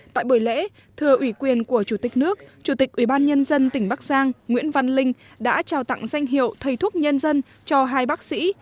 tại buổi lễ thưa ủy quyền của chủ tịch nước chủ tịch ủy ban nhân dân tỉnh bắc giang nguyễn văn linh đã trao tặng danh hiệu thầy thuốc nhân dân cho hai bác sĩ